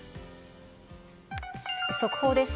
速報です。